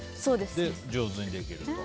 で、上手にできると。